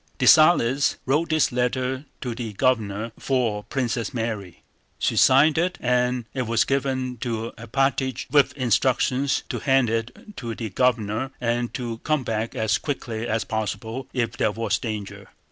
Dessalles wrote this letter to the Governor for Princess Mary, she signed it, and it was given to Alpátych with instructions to hand it to the Governor and to come back as quickly as possible if there was danger.